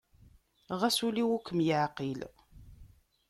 Ɣas ul-iw ur kem-yeɛqil.